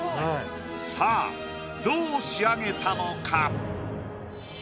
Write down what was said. さあどう仕上げたのか？